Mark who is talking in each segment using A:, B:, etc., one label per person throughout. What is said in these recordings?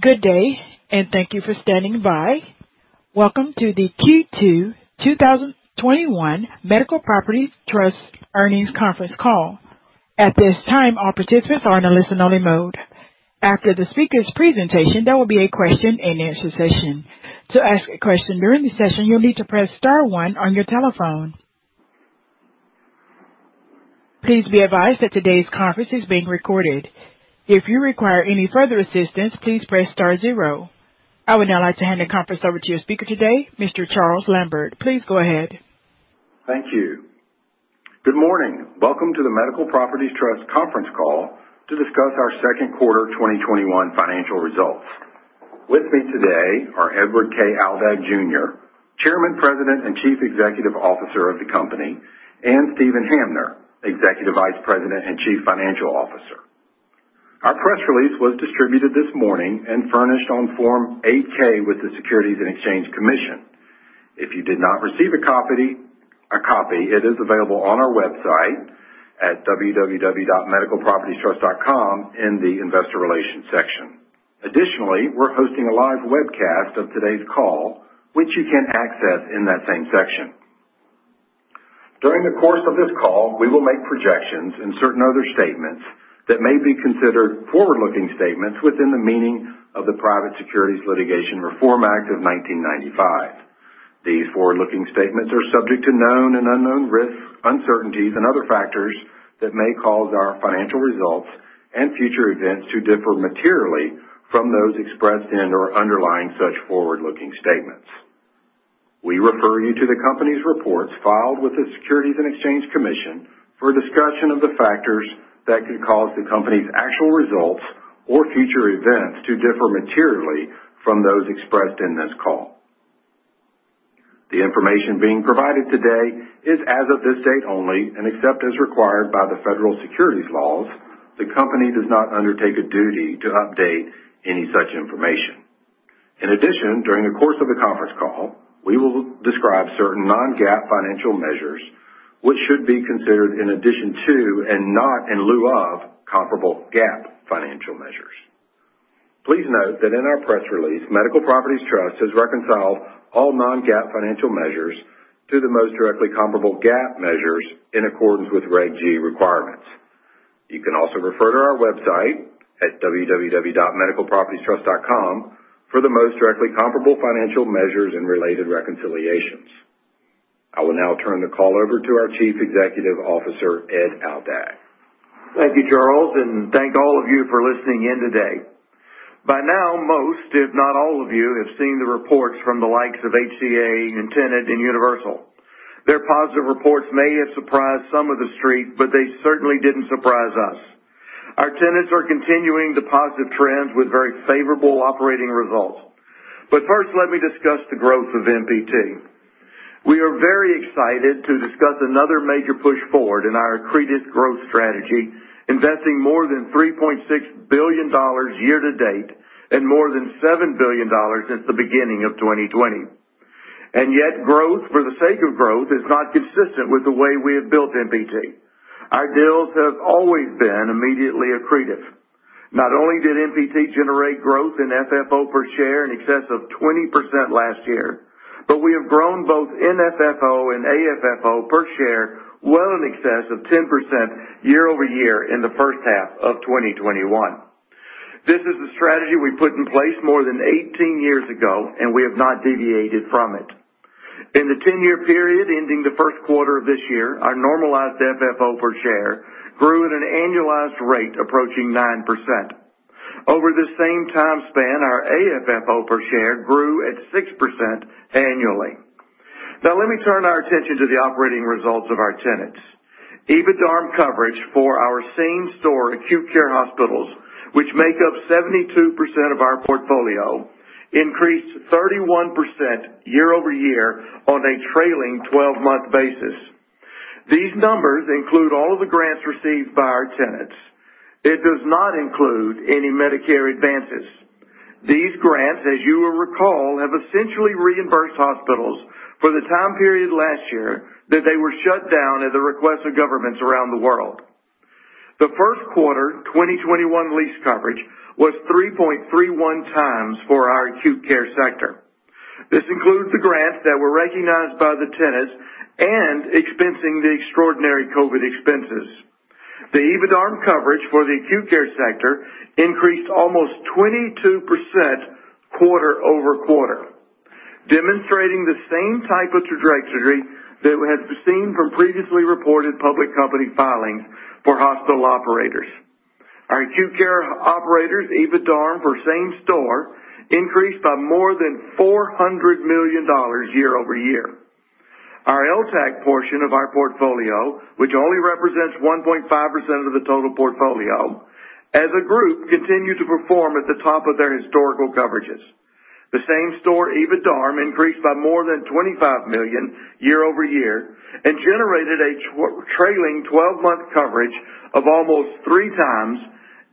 A: Good day, and thank you for standing by. Welcome to the Q2 2021 Medical Properties Trust earnings conference call. At this time, all participants are in a listen-only mode. After the speakers' presentation, there will be a question-and-answer session. To ask a question during the session, you'll need to press star one on your telephone. Please be advised that today's conference is being recorded. If you require any further assistance, please press star zero. I would now like to hand the conference over to your speaker today, Mr. Charles Lambert. Please go ahead.
B: Thank you. Good morning. Welcome to the Medical Properties Trust conference call to discuss our second quarter 2021 financial results. With me today are Edward K. Aldag Jr., Chairman, President, and Chief Executive Officer of the company, and Steven Hamner, Executive Vice President and Chief Financial Officer. Our press release was distributed this morning and furnished on Form 8-K with the Securities and Exchange Commission. If you did not receive a copy, it is available on our website at www.medicalpropertiestrust.com in the Investor Relations section. We're hosting a live webcast of today's call, which you can access in that same section. During the course of this call, we will make projections and certain other statements that may be considered forward-looking statements within the meaning of the Private Securities Litigation Reform Act of 1995. These forward-looking statements are subject to known and unknown risks, uncertainties, and other factors that may cause our financial results and future events to differ materially from those expressed in or underlying such forward-looking statements. We refer you to the company's reports filed with the Securities and Exchange Commission for a discussion of the factors that could cause the company's actual results or future events to differ materially from those expressed in this call. The information being provided today is as of this date only, and except as required by the federal securities laws, the company does not undertake a duty to update any such information. In addition, during the course of the conference call, we will describe certain non-GAAP financial measures, which should be considered in addition to and not in lieu of comparable GAAP financial measures. Please note that in our press release, Medical Properties Trust has reconciled all non-GAAP financial measures to the most directly comparable GAAP measures in accordance with Reg G requirements. You can also refer to our website at www.medicalpropertiestrust.com for the most directly comparable financial measures and related reconciliations. I will now turn the call over to our Chief Executive Officer, Ed Aldag.
C: Thank you, Charles, and thank all of you for listening in today. By now, most, if not all of you, have seen the reports from the likes of HCA and Tenet and Universal. Their positive reports may have surprised some of the Street. They certainly didn't surprise us. Our tenants are continuing the positive trends with very favorable operating results. First, let me discuss the growth of MPT. We are very excited to discuss another major push forward in our accretive growth strategy, investing more than $3.6 billion year-to-date and more than $7 billion since the beginning of 2020. Yet growth for the sake of growth is not consistent with the way we have built MPT. Our deals have always been immediately accretive. Not only did MPT generate growth in FFO per share in excess of 20% last year, but we have grown both in FFO and AFFO per share well in excess of 10% year-over-year in the first half of 2021. This is a strategy we put in place more than 18 years ago, and we have not deviated from it. In the 10-year period ending the first quarter of this year, our normalized FFO per share grew at an annualized rate approaching 9%. Over the same time span, our AFFO per share grew at 6% annually. Let me turn our attention to the operating results of our tenants. EBITDA coverage for our same-store acute care hospitals, which make up 72% of our portfolio, increased 31% year-over-year on a trailing 12-month basis. These numbers include all of the grants received by our tenants. It does not include any Medicare advances. These grants, as you will recall, have essentially reimbursed hospitals for the time period last year that they were shut down at the request of governments around the world. The first quarter 2021 lease coverage was 3.31x for our acute care sector. This includes the grants that were recognized by the tenants and expensing the extraordinary COVID expenses. The EBITDA coverage for the acute care sector increased almost 22% quarter-over-quarter, demonstrating the same type of trajectory that we have seen from previously reported public company filings for hospital operators. Our acute care operators' EBITDA for same store increased by more than $400 million year-over-year. Our LTAC portion of our portfolio, which only represents 1.5% of the total portfolio, as a group, continued to perform at the top of their historical coverages. The same store EBITDA increased by more than $25 million year-over-year and generated a trailing 12-month coverage of almost 3x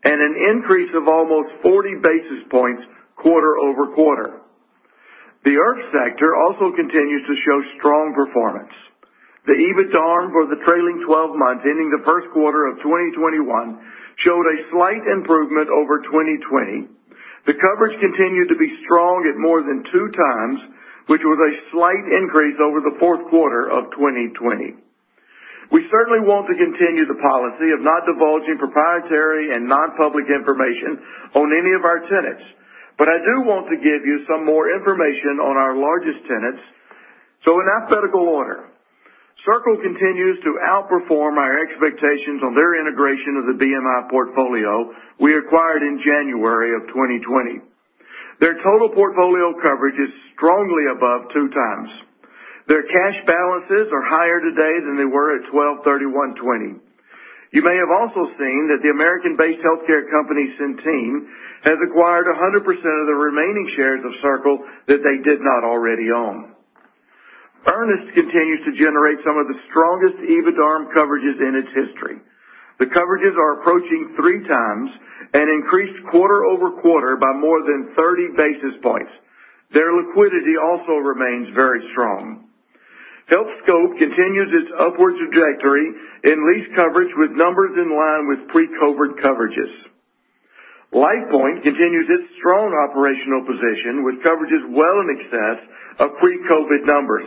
C: and an increase of almost 40 basis points quarter-over-quarter. The IRF sector also continues to show strong performance. The EBITDARM for the trailing 12 months ending the first quarter of 2021 showed a slight improvement over 2020. The coverage continued to be strong at more than 2x, which was a slight increase over the fourth quarter of 2020. We certainly want to continue the policy of not divulging proprietary and non-public information on any of our tenants. I do want to give you some more information on our largest tenants. In alphabetical order, Circle continues to outperform our expectations on their integration of the BMI portfolio we acquired in January of 2020. Their total portfolio coverage is strongly above 2x. Their cash balances are higher today than they were at 12/31/2020. You may have also seen that the American-based healthcare company, Centene, has acquired 100% of the remaining shares of Circle that they did not already own. Ernest continues to generate some of the strongest EBITDARM coverages in its history. The coverages are approaching 3x and increased quarter-over-quarter by more than 30 basis points. Their liquidity also remains very strong. Healthscope continues its upward trajectory in lease coverage with numbers in line with pre-COVID coverages. LifePoint continues its strong operational position with coverages well in excess of pre-COVID numbers.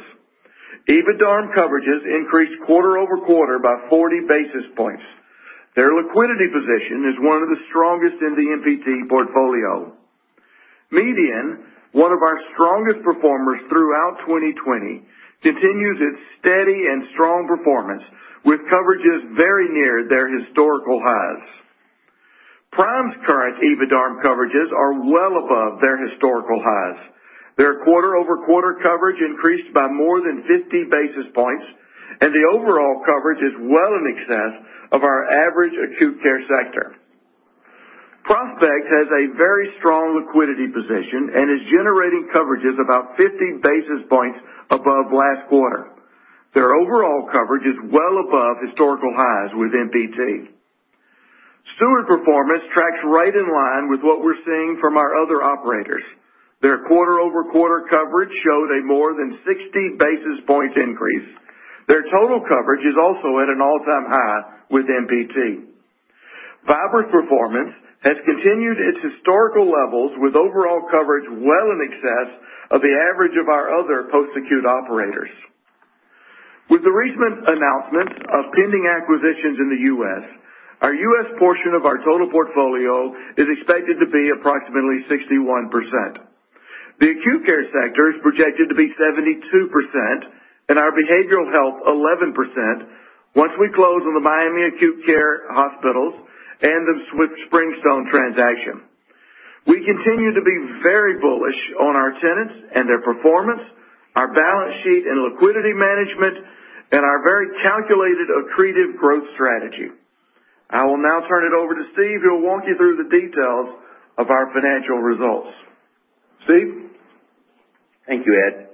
C: EBITDARM coverages increased quarter-over-quarter by 40 basis points. Their liquidity position is one of the strongest in the MPT portfolio. MEDIAN, one of our strongest performers throughout 2020, continues its steady and strong performance, with coverages very near their historical highs. Prime's current EBITDARM coverages are well above their historical highs. Their quarter-over-quarter coverage increased by more than 50 basis points, and the overall coverage is well in excess of our average acute care sector. Prospect has a very strong liquidity position and is generating coverages about 50 basis points above last quarter. Their overall coverage is well above historical highs with MPT. Steward performance tracks right in line with what we're seeing from our other operators. Their quarter-over-quarter coverage showed a more than 60 basis points increase. Their total coverage is also at an all-time high with MPT. Vibra's performance has continued its historical levels, with overall coverage well in excess of the average of our other post-acute operators. With the recent announcement of pending acquisitions in the U.S., our U.S. portion of our total portfolio is expected to be approximately 61%. The acute care sector is projected to be 72%, and our behavioral health 11% once we close on the Miami acute care hospitals and the Springstone transaction. We continue to be very bullish on our tenants and their performance, our balance sheet and liquidity management, and our very calculated accretive growth strategy. I will now turn it over to Steve, who will walk you through the details of our financial results. Steve?
D: Thank you, Ed.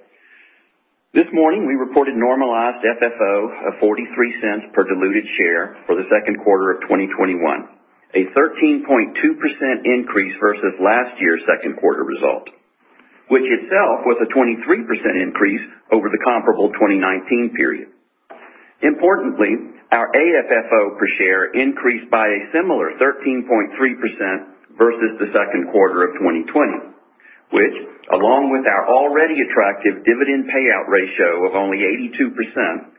D: This morning, we reported normalized FFO of $0.43 per diluted share for the second quarter of 2021, a 13.2% increase versus last year's second quarter result, which itself was a 23% increase over the comparable 2019 period. Importantly, our AFFO per share increased by a similar 13.3% versus the second quarter of 2020, which, along with our already attractive dividend payout ratio of only 82%,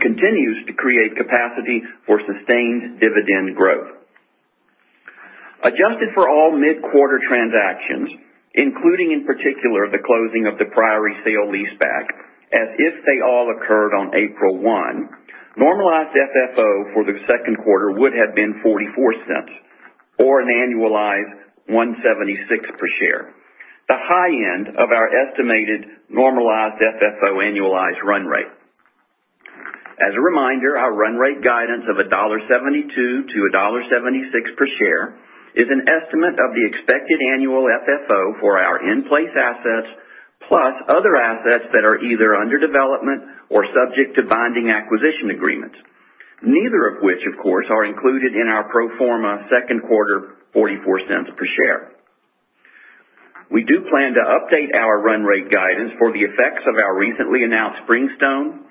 D: continues to create capacity for sustained dividend growth. Adjusted for all mid-quarter transactions, including, in particular, the closing of the Priory sale leaseback, as if they all occurred on April 1, normalized FFO for the second quarter would have been $0.44, or an annualized $1.76 per share, the high end of our estimated normalized FFO annualized run rate. As a reminder, our run rate guidance of $1.72-$1.76 per share is an estimate of the expected annual FFO for our in-place assets, plus other assets that are either under development or subject to binding acquisition agreements. Neither of which, of course, are included in our pro forma second quarter $0.44 per share. We do plan to update our run rate guidance for the effects of our recently announced Springstone,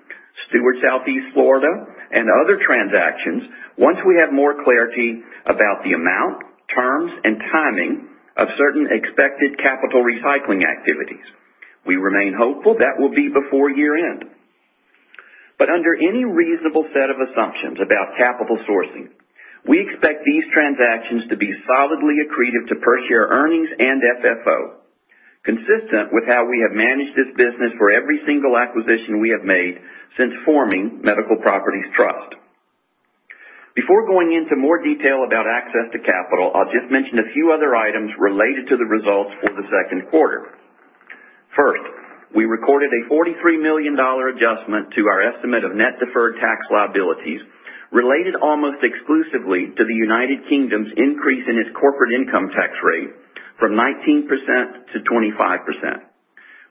D: Steward Southeast Florida, and other transactions once we have more clarity about the amount, terms, and timing of certain expected capital recycling activities. We remain hopeful that will be before year-end. Under any reasonable set of assumptions about capital sourcing, we expect these transactions to be solidly accretive to per share earnings and FFO, consistent with how we have managed this business for every single acquisition we have made since forming Medical Properties Trust. Before going into more detail about access to capital, I'll just mention a few other items related to the results for the 2nd quarter. First, we recorded a $43 million adjustment to our estimate of net deferred tax liabilities, related almost exclusively to the U.K.'s increase in its corporate income tax rate from 19% to 25%.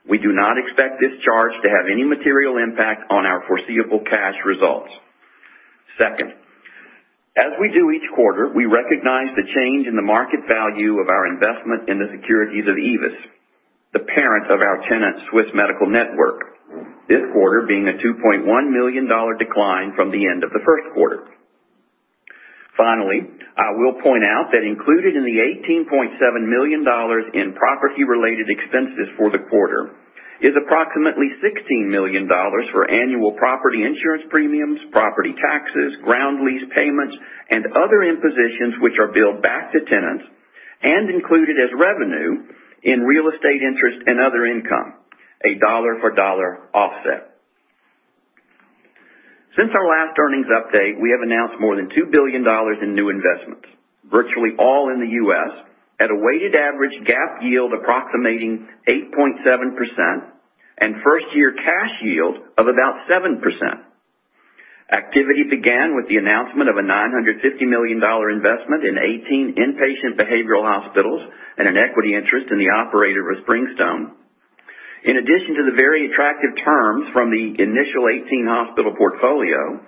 D: We do not expect this charge to have any material impact on our foreseeable cash results. Second, as we do each quarter, we recognize the change in the market value of our investment in the securities of Aevis, the parent of our tenant, Swiss Medical Network, this quarter being a $2.1 million decline from the end of the 1st quarter. Finally, I will point out that included in the $18.7 million in property-related expenses for the quarter is approximately $16 million for annual property insurance premiums, property taxes, ground lease payments, and other impositions which are billed back to tenants and included as revenue in real estate interest and other income, a dollar for dollar offset. Since our last earnings update, we have announced more than $2 billion in new investments, virtually all in the U.S., at a weighted average GAAP yield approximating 8.7% and first-year cash yield of about 7%. Activity began with the announcement of a $950 million investment in 18 inpatient behavioral hospitals and an equity interest in the operator of Springstone. In addition to the very attractive terms from the initial 18-hospital portfolio,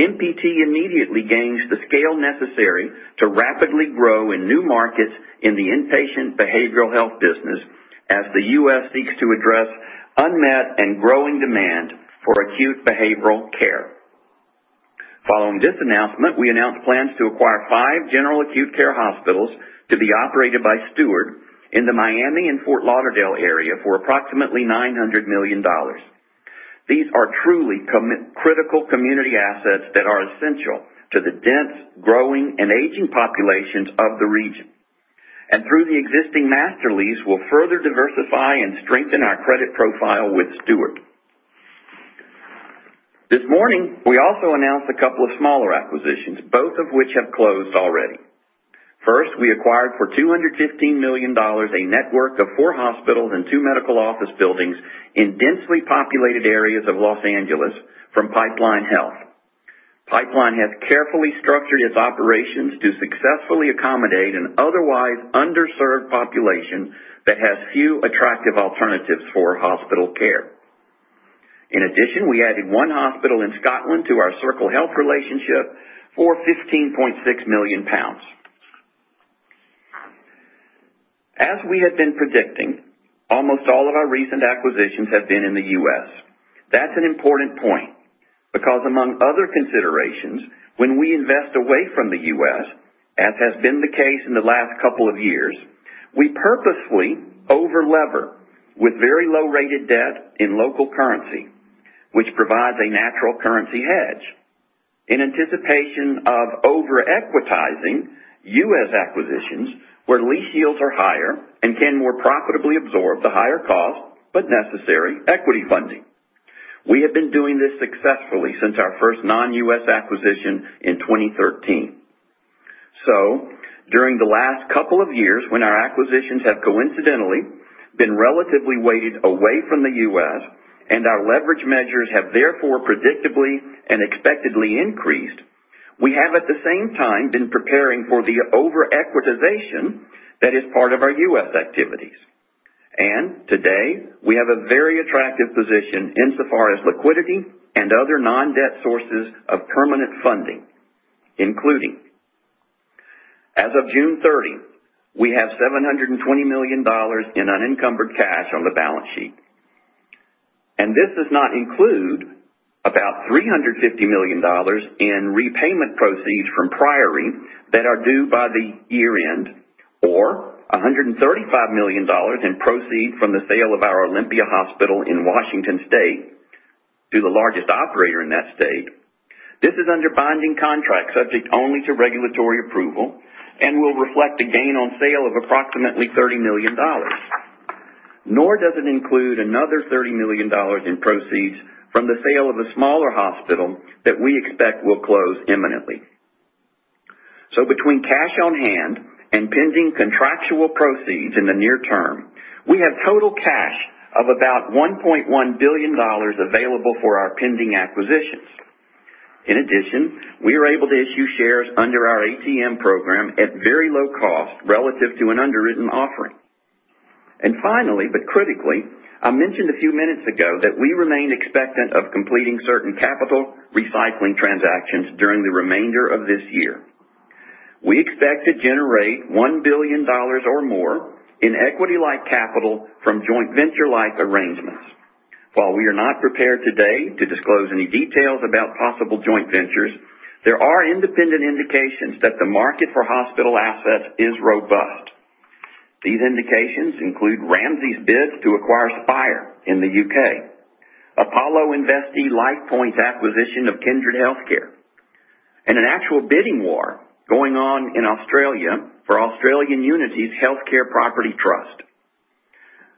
D: MPT immediately gains the scale necessary to rapidly grow in new markets in the inpatient behavioral health business as the U.S. seeks to address unmet and growing demand for acute behavioral care. Following this announcement, we announced plans to acquire five general acute care hospitals to be operated by Steward in the Miami and Fort Lauderdale area for approximately $900 million. These are truly critical community assets that are essential to the dense, growing, and aging populations of the region, and through the existing master lease, will further diversify and strengthen our credit profile with Steward. This morning, we also announced a couple of smaller acquisitions, both of which have closed already. First, we acquired for $215 million a network of four hospitals and two medical office buildings in densely populated areas of Los Angeles from Pipeline Health. Pipeline has carefully structured its operations to successfully accommodate an otherwise underserved population that has few attractive alternatives for hospital care. In addition, we added one hospital in Scotland to our Circle Health relationship for GBP 15.6 million. As we had been predicting, almost all of our recent acquisitions have been in the U.S. That's an important point because, among other considerations, when we invest away from the U.S., as has been the case in the last couple of years, we purposely over-lever with very low-rated debt in local currency, which provides a natural currency hedge. In anticipation of over-equitizing U.S. acquisitions, where lease yields are higher and can more profitably absorb the higher cost but necessary equity funding. We have been doing this successfully since our first non-U.S. acquisition in 2013. During the last couple of years, when our acquisitions have coincidentally been relatively weighted away from the U.S. and our leverage measures have therefore predictably and expectedly increased, we have at the same time been preparing for the over-equitization that is part of our U.S. activities. Today, we have a very attractive position insofar as liquidity and other non-debt sources of permanent funding, including, as of June 30, we have $720 million in unencumbered cash on the balance sheet, and this does not include about $350 million in repayment proceeds from Priory that are due by the year-end or $135 million in proceeds from the sale of our Olympia Hospital in Washington State to the largest operator in that state. This is under binding contract, subject only to regulatory approval and will reflect a gain on sale of approximately $30 million. Nor does it include another $30 million in proceeds from the sale of a one smaller hospital that we expect will close imminently. Between cash on hand and pending contractual proceeds in the near term, we have total cash of about $1.1 billion available for our pending acquisitions. In addition, we are able to issue shares under our ATM program at very low cost relative to an underwritten offering. Finally, but critically, I mentioned a few minutes ago that we remain expectant of completing certain capital recycling transactions during the remainder of this year. We expect to generate $1 billion or more in equity-like capital from joint venture-like arrangements. While we are not prepared today to disclose any details about possible joint ventures, there are independent indications that the market for hospital assets is robust. These indications include Ramsay's bid to acquire Spire in the U.K., Apollo investee LifePoint's acquisition of Kindred Healthcare, and an actual bidding war going on in Australia for Australian Unity's Healthcare Property Trust.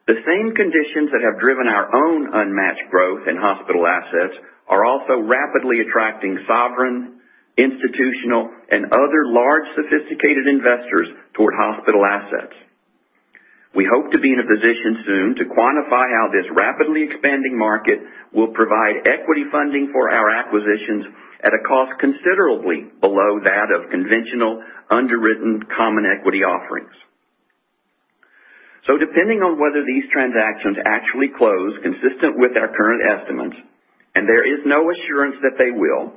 D: The same conditions that have driven our own unmatched growth in hospital assets are also rapidly attracting sovereign, institutional, and other large sophisticated investors toward hospital assets. We hope to be in a position soon to quantify how this rapidly expanding market will provide equity funding for our acquisitions at a cost considerably below that of conventional underwritten common equity offerings. Depending on whether these transactions actually close consistent with our current estimates, and there is no assurance that they will,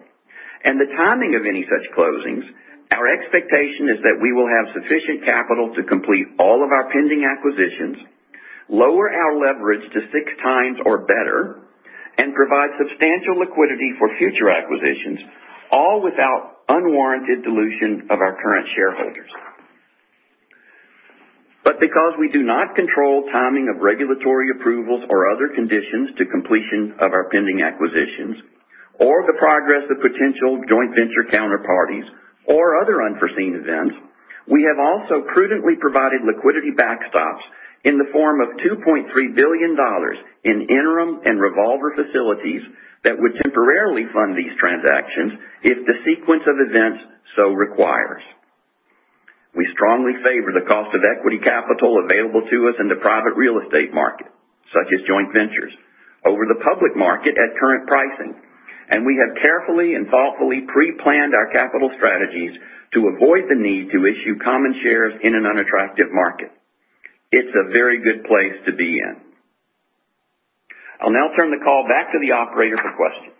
D: and the timing of any such closings, our expectation is that we will have sufficient capital to complete all of our pending acquisitions, lower our leverage to 6x or better, and provide substantial liquidity for future acquisitions, all without unwarranted dilution of our current shareholders. Because we do not control timing of regulatory approvals or other conditions to completion of our pending acquisitions or the progress of potential joint venture counterparties or other unforeseen events, we have also prudently provided liquidity backstops in the form of $2.3 billion in interim and revolver facilities that would temporarily fund these transactions if the sequence of events so requires. We strongly favor the cost of equity capital available to us in the private real estate market, such as joint ventures, over the public market at current pricing, and we have carefully and thoughtfully pre-planned our capital strategies to avoid the need to issue common shares in an unattractive market. It's a very good place to be in. I'll now turn the call back to the operator for questions.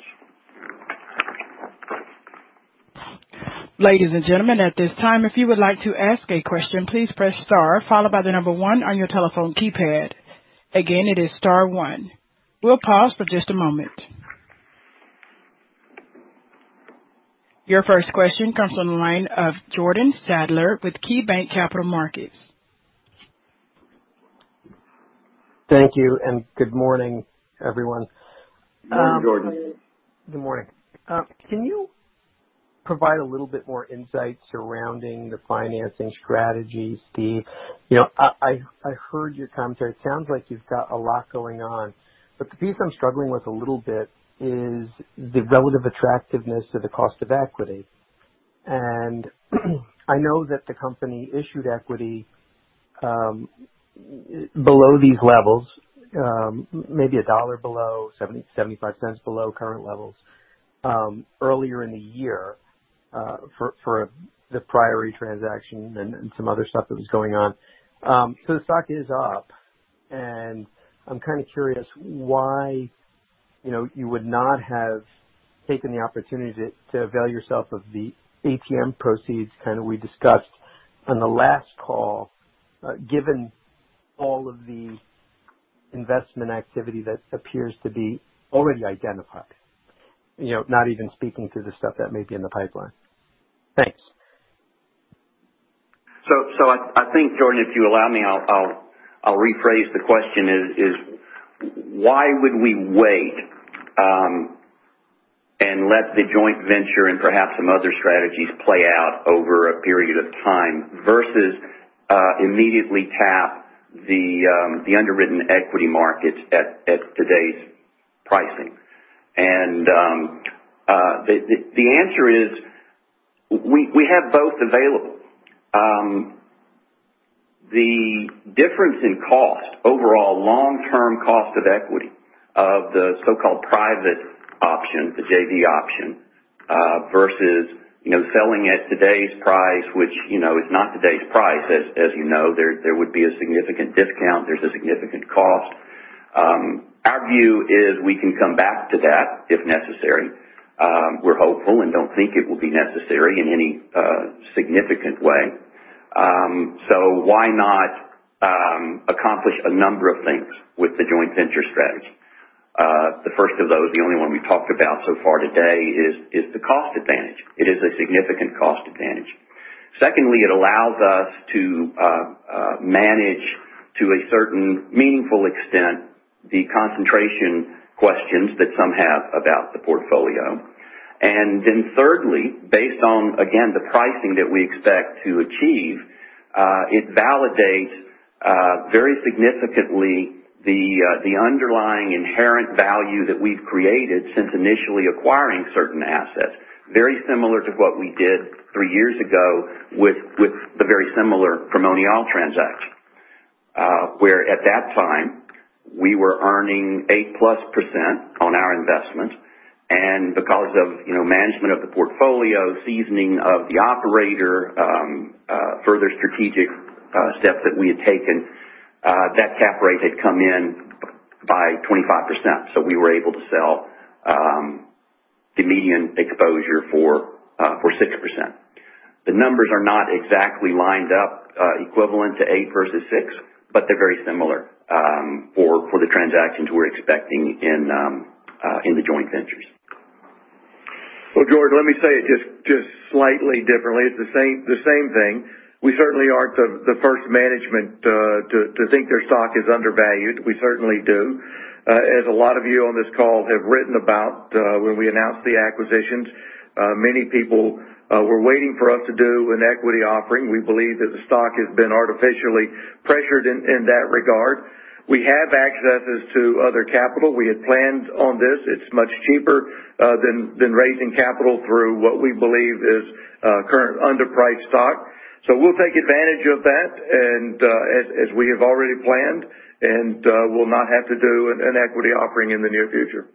A: Your first question comes on the line of Jordan Sadler with KeyBanc Capital Markets.
E: Thank you, and good morning, everyone.
D: Morning, Jordan.
E: Good morning. Can you provide a little bit more insight surrounding the financing strategy, Steve? I heard your commentary. It sounds like you've got a lot going on, but the piece I'm struggling with a little bit is the relative attractiveness of the cost of equity. I know that the company issued equity below these levels, maybe $1 below, $0.75 below current levels, earlier in the year, for the Priory transaction and some other stuff that was going on. The stock is up, and I'm kind of curious why you would not have taken the opportunity to avail yourself of the ATM proceeds, kind of we discussed on the last call, given all of the investment activity that appears to be already identified. Not even speaking to the stuff that may be in the pipeline. Thanks.
D: I think, Jordan, if you allow me, I'll rephrase the question is why would we wait, and let the joint venture and perhaps some other strategies play out over a period of time versus, immediately tap the underwritten equity markets at today's pricing? The answer is, we have both available. The difference in cost, overall long-term cost of equity of the so-called private option, the JV option, versus selling at today's price, which is not today's price, as you know. There would be a significant discount. There's a significant cost. Our view is we can come back to that if necessary. We're hopeful and don't think it will be necessary in any significant way. Why not accomplish a number of things with the joint venture strategy? The first of those, the only one we talked about so far today is the cost advantage. It is a significant cost advantage. Secondly, it allows us to manage to a certain meaningful extent the concentration questions that some have about the portfolio. Thirdly, based on, again, the pricing that we expect to achieve, it validates very significantly the underlying inherent value that we've created since initially acquiring certain assets, very similar to what we did three years ago with the very similar Primonial transaction. At that time, we were earning 8%+ percent on our investment. Because of management of the portfolio, seasoning of the operator, further strategic steps that we had taken, that cap rate had come in by 25%. We were able to sell the MEDIAN exposure for 6%. The numbers are not exactly lined up equivalent to eight versus six, they're very similar, for the transactions we're expecting in the joint ventures.
C: Well, Jordan, let me say it just slightly differently. It's the same thing. We certainly aren't the first management to think their stock is undervalued. We certainly do. As a lot of you on this call have written about, when we announced the acquisitions, many people were waiting for us to do an equity offering. We believe that the stock has been artificially pressured in that regard. We have accesses to other capital. We had planned on this. It's much cheaper than raising capital through what we believe is current underpriced stock. We'll take advantage of that and as we have already planned, and we'll not have to do an equity offering in the near future.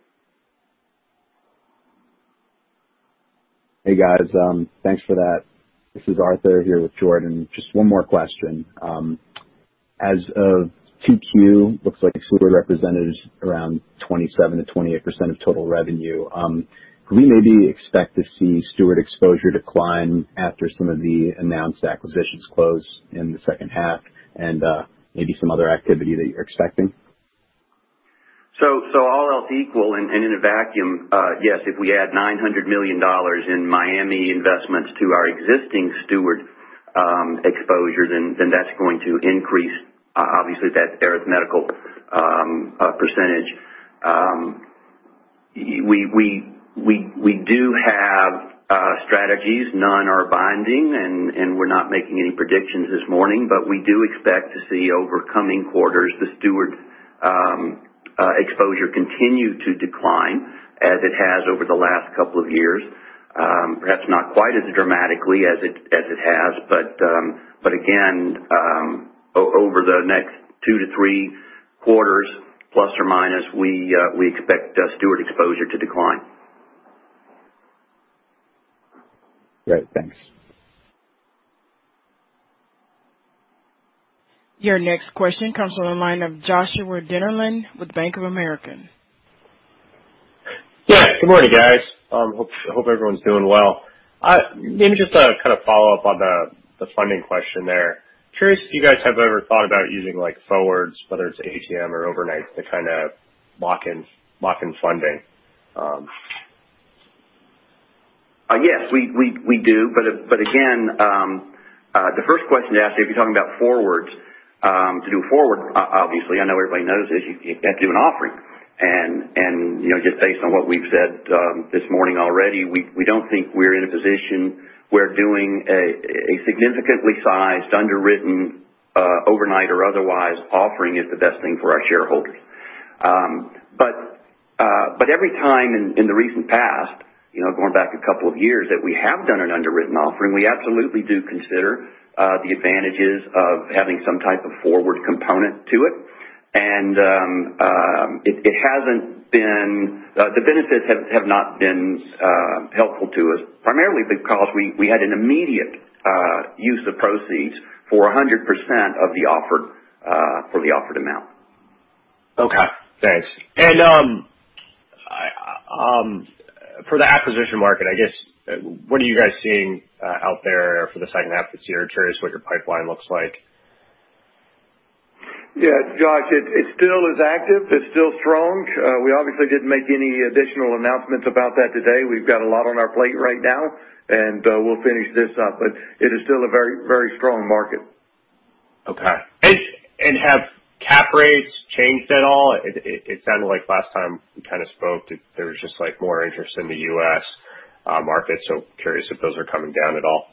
F: Hey, guys. Thanks for that. This is Arthur here with Jordan. Just one more question. As of 2Q, looks like Steward represented around 27%-28% of total revenue. Can we maybe expect to see Steward exposure decline after some of the announced acquisitions close in the second half and maybe some other activity that you're expecting?
D: All else equal and in a vacuum, yes, if we add $900 million in Miami investments to our existing Steward exposures, then that's going to increase, obviously, that arithmetical percentage. We do have strategies. None are binding, and we're not making any predictions this morning, but we do expect to see, over coming quarters, the Steward exposure continue to decline as it has over the last couple of years. Perhaps not quite as dramatically as it has, but again, over the next two to three quarters, plus or minus, we expect Steward exposure to decline.
F: Great. Thanks.
A: Your next question comes from the line of Joshua Dennerlein with Bank of America.
G: Yeah. Good morning, guys. Hope everyone's doing well. Maybe just to follow up on the funding question there. Curious if you guys have ever thought about using forwards, whether it's ATM or overnight, to lock in funding.
D: Yes, we do. Again, the first question to ask you, if you're talking about forwards, to do a forward, obviously, I know everybody knows this, you've got to do an offering. Just based on what we've said this morning already, we don't think we're in a position where doing a significantly sized, underwritten, overnight or otherwise, offering is the best thing for our shareholders. Every time in the recent past, going back a couple of years, that we have done an underwritten offering, we absolutely do consider the advantages of having some type of forward component to it. The benefits have not been helpful to us, primarily because we had an immediate use of proceeds for 100% of the offered amount.
G: Okay, thanks. For the acquisition market, I guess, what are you guys seeing out there for the second half of this year? Curious what your pipeline looks like.
C: Yeah. Josh, it still is active. It's still strong. We obviously didn't make any additional announcements about that today. We've got a lot on our plate right now, and we'll finish this up, but it is still a very strong market.
G: Okay. Have cap rates changed at all? It sounded like last time we spoke, there was just more interest in the U.S. market, so curious if those are coming down at all.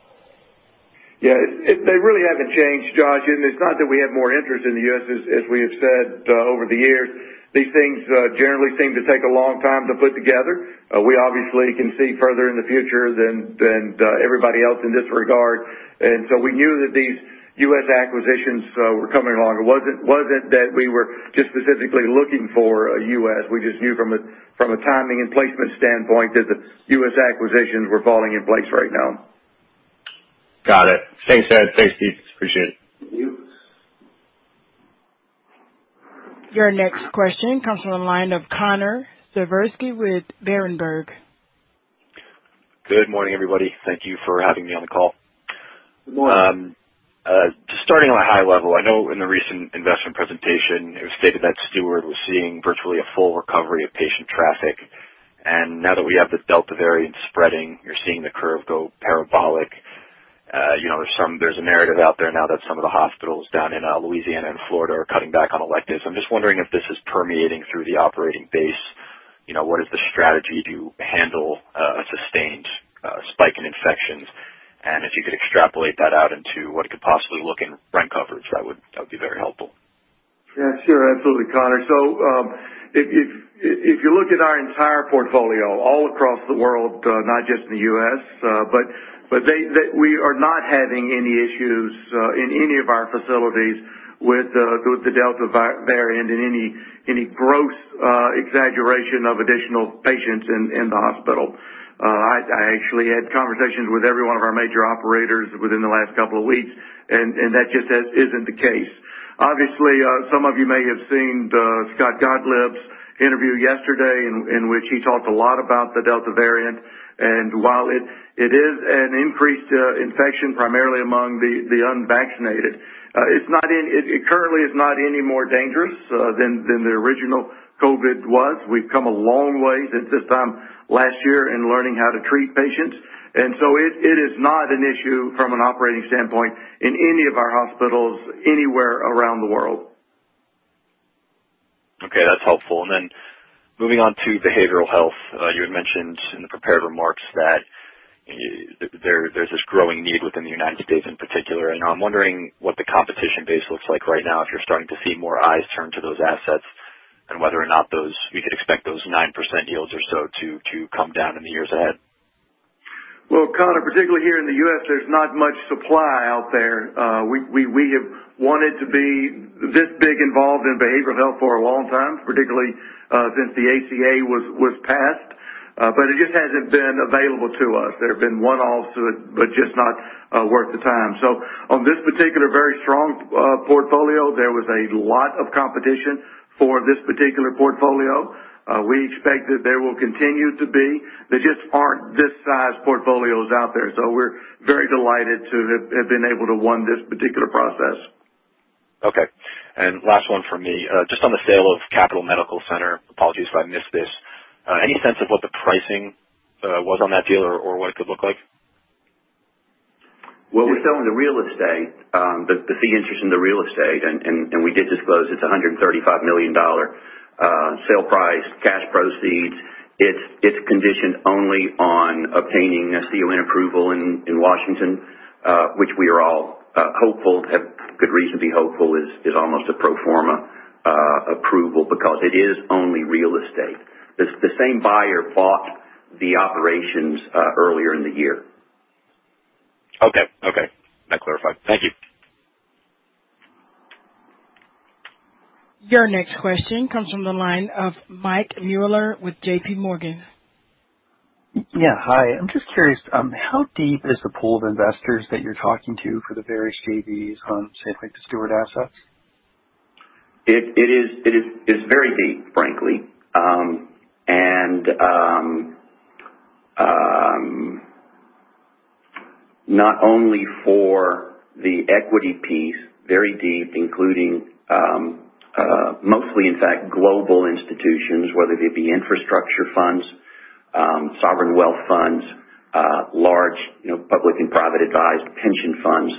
C: Yeah. They really haven't changed, Josh. It's not that we have more interest in the U.S. As we have said over the years, these things generally seem to take a long time to put together. We obviously can see further in the future than everybody else in this regard. We knew that these U.S. acquisitions were coming along. It wasn't that we were just specifically looking for a U.S. We just knew from a timing and placement standpoint that the U.S. acquisitions were falling in place right now.
G: Got it. Thanks, Ed. Thanks, Steve. Appreciate it.
C: Thank you.
A: Your next question comes from the line of Connor Siversky with Berenberg.
H: Good morning, everybody. Thank you for having me on the call.
C: Good morning.
H: Just starting on a high-level, I know in the recent investment presentation, it was stated that Steward was seeing virtually a full recovery of patient traffic. Now that we have the Delta variant spreading, you're seeing the curve go parabolic. There's a narrative out there now that some of the hospitals down in Louisiana and Florida are cutting back on electives. I'm just wondering if this is permeating through the operating base. What is the strategy to handle a sustained spike in infections? If you could extrapolate that out into what it could possibly look in rent coverage, that would be very helpful.
C: Yeah, sure. Absolutely, Connor. If you look at our entire portfolio all across the world, not just in the U.S., we are not having any issues in any of our facilities with the Delta variant and any gross exaggeration of additional patients in the hospital. I actually had conversations with every one of our major operators within the last couple of weeks, and that just isn't the case. Obviously, some of you may have seen Scott Gottlieb's interview yesterday in which he talked a lot about the Delta variant. While it is an increased infection primarily among the unvaccinated, it currently is not any more dangerous than the original COVID was. We've come a long way since this time last year in learning how to treat patients. It is not an issue from an operating standpoint in any of our hospitals anywhere around the world.
H: Okay. That is helpful. Moving on to behavioral health. You had mentioned in the prepared remarks that there is this growing need within the United States in particular, and I am wondering what the competition base looks like right now, if you are starting to see more eyes turn to those assets and whether or not we could expect those 9% yields or so to come down in the years ahead.
C: Well, Connor, particularly here in the U.S., there's not much supply out there. We have wanted to be this big involved in behavioral health for a long time, particularly since the ACA was passed. It just hasn't been available to us. There have been one-offs, but just not worth the time. On this particular very strong portfolio, there was a lot of competition for this particular portfolio. We expect that there will continue to be. There just aren't this size portfolios out there. We're very delighted to have been able to won this particular process.
H: Okay. Last one from me, just on the sale of Capital Medical Center, apologies if I missed this. Any sense of what the pricing was on that deal or what it could look like?
D: We're selling the real estate, the fee interest in the real estate, and we did disclose it's $135 million sale price, cash proceeds. It's conditioned only on obtaining a CON approval in Washington, which we are all hopeful, have good reason to be hopeful is almost a pro forma approval because it is only real estate. The same buyer bought the operations earlier in the year.
H: Okay. That clarified. Thank you.
A: Your next question comes from the line of Mike Mueller with JPMorgan.
I: Yeah, hi. I'm just curious, how deep is the pool of investors that you're talking to for the various JVs on, say, like, the Steward assets?
D: It is very deep, frankly. Not only for the equity piece, very deep, including mostly, in fact, global institutions, whether they be infrastructure funds, sovereign wealth funds, large public and private advised pension funds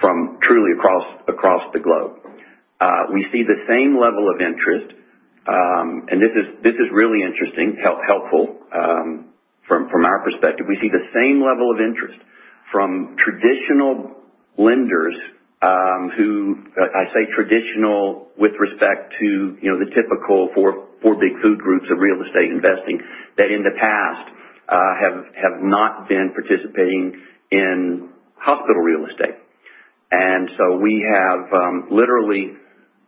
D: from truly across the globe. We see the same level of interest. This is really interesting, helpful, from our perspective. We see the same level of interest from traditional lenders, I say traditional with respect to the typical four big food groups of real estate investing, that in the past have not been participating in hospital real estate. We have literally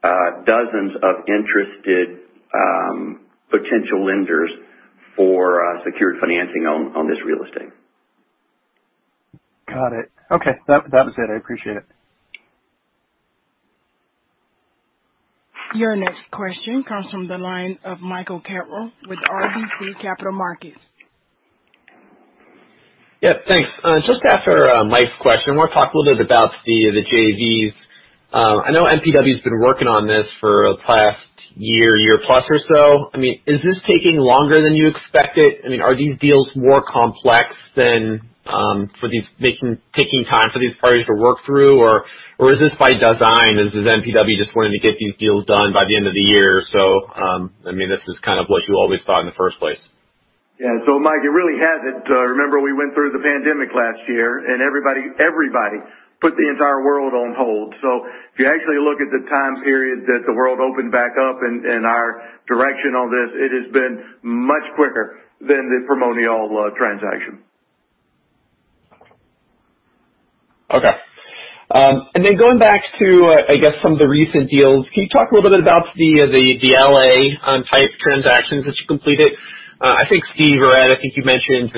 D: dozens of interested potential lenders for secured financing on this real estate.
I: Got it. Okay. That was it. I appreciate it.
A: Your next question comes from the line of Michael Carroll with RBC Capital Markets.
J: Yeah, thanks. Just after Mike's question, I want to talk a little bit about the JVs. I know MPW's been working on this for the past year plus or so. Is this taking longer than you expected? Are these deals more complex than, taking time for these parties to work through? Or is this by design? Is this MPW just wanting to get these deals done by the end of the year or so? Is this what you always thought in the first place?
C: Yeah. Mike, it really hasn't. Remember, we went through the pandemic last year, and everybody put the entire world on hold. If you actually look at the time period that the world opened back up and our direction on this, it has been much quicker than the Primonial transaction.
J: Okay. Going back to, I guess, some of the recent deals. Can you talk a little bit about the L.A. area type transactions that you completed? I think Steve or Ed, you mentioned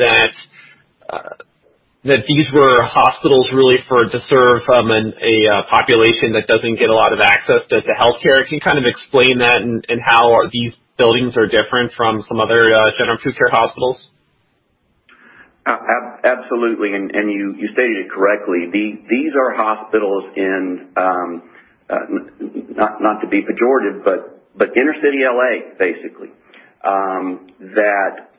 J: that these were hospitals really to serve a population that doesn't get a lot of access to healthcare. Can you explain that and how these buildings are different from some other general acute care hospitals?
D: Absolutely. You stated it correctly. These are hospitals in, not to be pejorative, but inner city L.A., basically.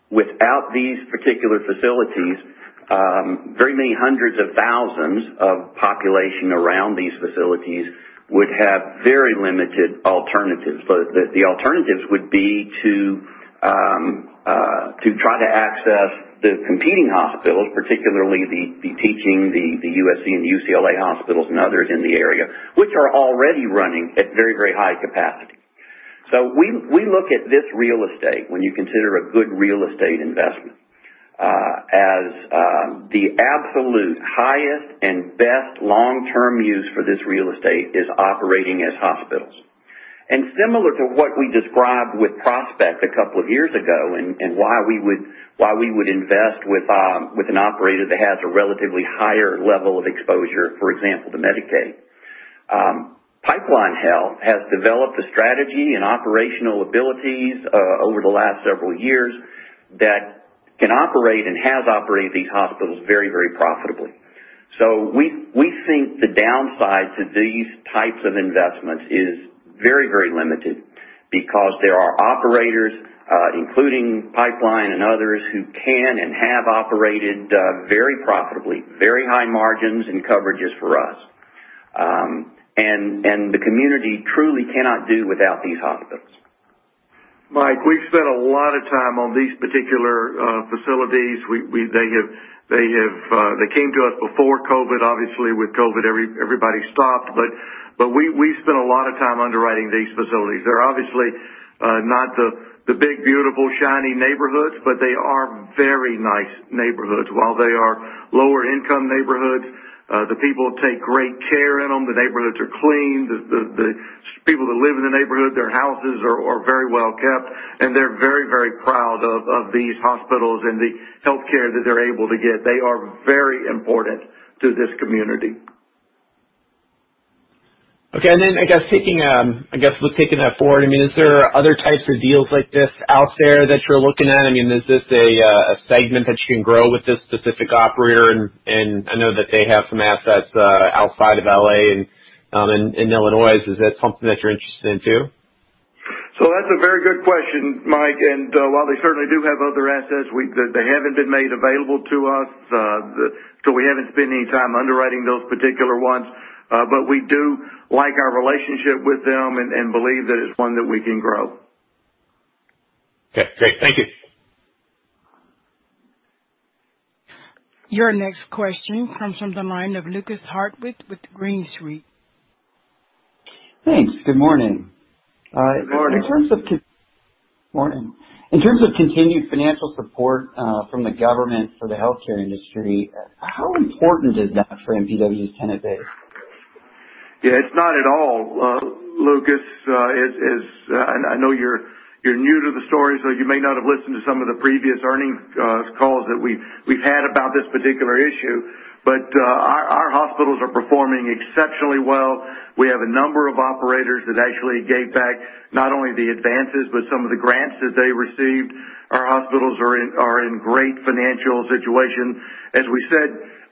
D: Without these particular facilities, very many hundreds of thousands of population around these facilities would have very limited alternatives. The alternatives would be to try to access the competing hospitals, particularly the teaching, the USC and the UCLA hospitals and others in the area, which are already running at very high capacity. We look at this real estate when you consider a good real estate investment, as the absolute highest and best long-term use for this real estate is operating as hospitals. Similar to what we described with Prospect a couple of years ago and why we would invest with an operator that has a relatively higher level of exposure, for example, to Medicaid. Pipeline Health has developed a strategy and operational abilities over the last several years that can operate and has operated these hospitals very profitably. We think the downside to these types of investments is very limited because there are operators, including Pipeline and others, who can and have operated very profitably, very high margins and coverages for us. The community truly cannot do without these hospitals.
C: Mike, we've spent a lot of time on these particular facilities. They came to us before COVID. Obviously, with COVID, everybody stopped. We spent a lot of time underwriting these facilities. They're obviously not the big, beautiful, shiny neighborhoods, but they are very nice neighborhoods. While they are lower income neighborhoods, the people take great care in them. The neighborhoods are clean. People that live in the neighborhood, their houses are very well kept, and they're very proud of these hospitals and the healthcare that they're able to get. They are very important to this community.
J: Okay. I guess with taking that forward, is there other types of deals like this out there that you're looking at? Is this a segment that you can grow with this specific operator? I know that they have some assets outside of L.A. and in Illinois. Is that something that you're interested in, too?
C: That's a very good question, Mike, and while they certainly do have other assets, they haven't been made available to us. We haven't spent any time underwriting those particular ones. We do like our relationship with them and believe that it's one that we can grow.
J: Okay, great. Thank you.
A: Your next question comes from the line of Lukas Hartwich with Green Street.
K: Thanks. Good morning.
C: Good morning.
K: Morning. In terms of continued financial support from the government for the healthcare industry, how important is that for MPW's tenant base?
C: Yeah, it's not at all, Lukas. I know you're new to the story, so you may not have listened to some of the previous earnings calls that we've had about this particular issue. Our hospitals are performing exceptionally well. We have a number of operators that actually gave back not only the advances, but some of the grants that they received. Our hospitals are in great financial situation. As we said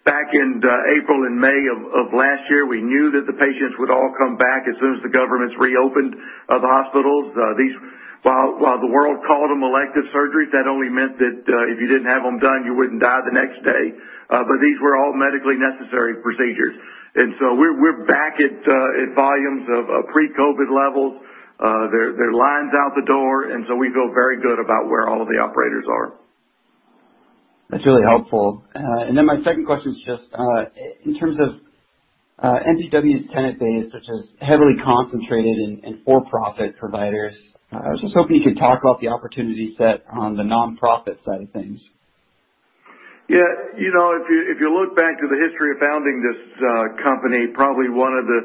C: back in April and May of last year, we knew that the patients would all come back as soon as the governments reopened the hospitals. While the world called them elective surgeries, that only meant that if you didn't have them done, you wouldn't die the next day. These were all medically necessary procedures. We're back at volumes of pre-COVID levels. There are lines out the door, and so we feel very good about where all of the operators are.
K: That's really helpful. Then my second question is just in terms of MPW's tenant base, which is heavily concentrated in for-profit providers, I was just hoping you could talk about the opportunity set on the non-profit side of things.
C: Yeah. If you look back to the history of founding this company, probably one of the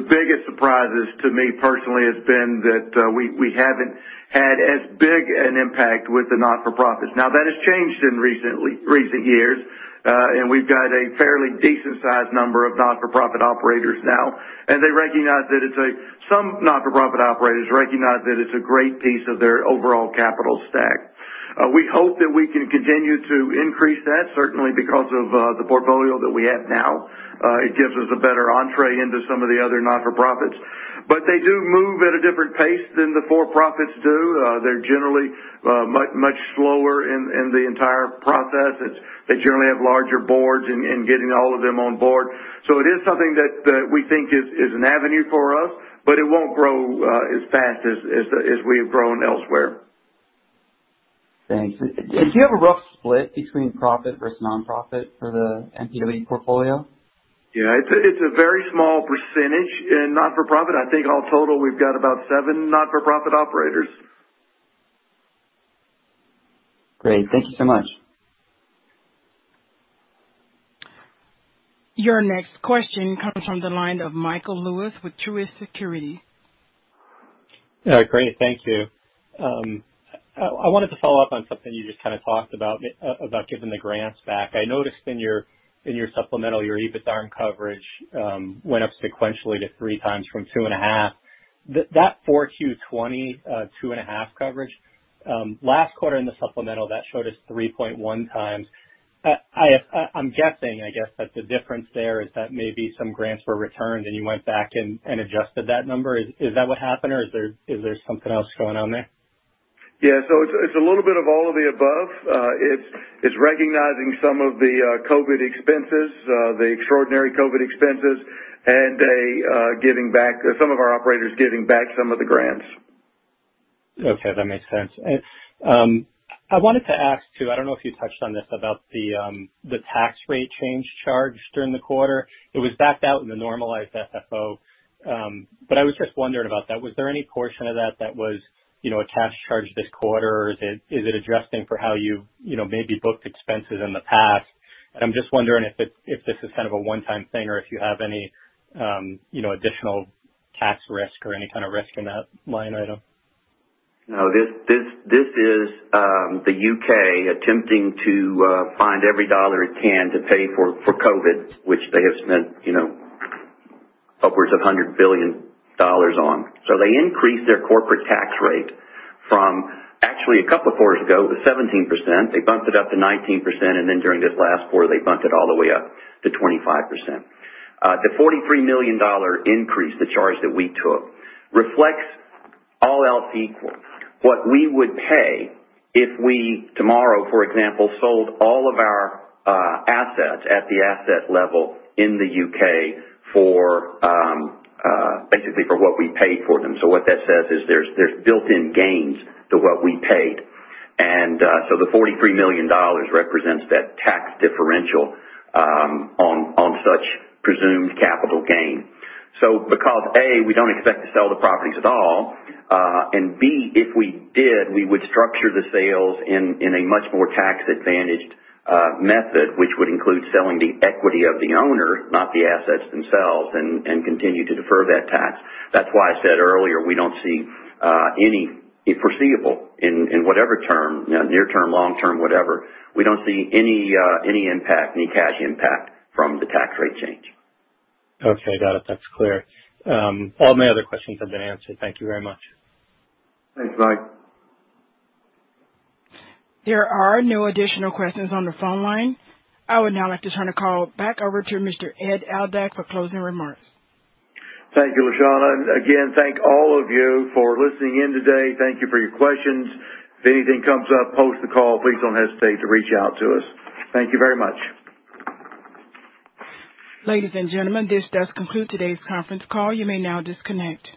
C: biggest surprises to me personally has been that we haven't had as big an impact with the not-for-profits. That has changed in recent years. We've got a fairly decent-sized number of not-for-profit operators now. Some not-for-profit operators recognize that it's a great piece of their overall capital stack. We hope that we can continue to increase that, certainly because of the portfolio that we have now. It gives us a better entree into some of the other not-for-profits. They do move at a different pace than the for-profits do. They're generally much slower in the entire process. They generally have larger boards and getting all of them on board. It is something that we think is an avenue for us, but it won't grow as fast as we've grown elsewhere.
K: Thanks. Do you have a rough split between profit versus non-profit for the MPW portfolio?
C: It's a very small percentage in not-for-profit. I think all total, we've got about seven not-for-profit operators.
K: Great. Thank you so much.
A: Your next question comes from the line of Michael Lewis with Truist Securities.
L: Great. Thank you. I wanted to follow up on something you just talked about giving the grants back. I noticed in your supplemental, your EBITDA coverage went up sequentially to 3x from 2.5x. That Q4 2020 2.5x coverage, last quarter in the supplemental, that showed us 3.1x. I'm guessing, I guess, that the difference there is that maybe some grants were returned, and you went back and adjusted that number. Is that what happened, or is there something else going on there?
C: Yeah. It's a little bit of all of the above. It's recognizing some of the COVID expenses, the extraordinary COVID expenses, and some of our operators giving back some of the grants.
L: Okay, that makes sense. I wanted to ask, too, I don't know if you touched on this, about the tax rate change charged during the quarter. It was backed out in the normalized FFO. I was just wondering about that. Was there any portion of that that was a tax charge this quarter, or is it addressing for how you maybe booked expenses in the past? I'm just wondering if this is kind of a one-time thing or if you have any additional tax risk or any kind of risk in that line item.
D: No. This is the U.K. attempting to find every dollar it can to pay for COVID, which they have spent upwards of $100 billion on. They increased their corporate tax rate from, actually a couple of quarters ago, it was 17%, they bumped it up to 19%, and then during this last quarter, they bumped it all the way up to 25%. The $43 million increase, the charge that we took, reflects all else equal what we would pay if we, tomorrow, for example, sold all of our assets at the asset level in the U.K. basically for what we paid for them. What that says is there's built-in gains to what we paid. The $43 million represents that tax differential on such presumed capital gain. Because, A, we don't expect to sell the properties at all, and B, if we did, we would structure the sales in a much more tax-advantaged method, which would include selling the equity of the owner, not the assets themselves, and continue to defer that tax. That's why I said earlier, we don't see any foreseeable, in whatever term, near term, long-term, whatever, we don't see any cash impact from the tax rate change.
L: Okay, got it. That's clear. All my other questions have been answered. Thank you very much.
C: Thanks, Mike.
A: There are no additional questions on the phone line. I would now like to turn the call back over to Mr. Ed Aldag for closing remarks.
C: Thank you, LaShawna. Again, thank all of you for listening in today. Thank you for your questions. If anything comes up post the call, please don't hesitate to reach out to us. Thank you very much.
A: Ladies and gentlemen, this does conclude today's conference call. You may now disconnect.